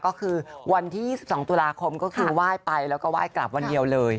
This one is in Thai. ก็คือวันที่๒ตุลาคมก็คือไหว้ไปแล้วก็ไหว้กลับวันเดียวเลย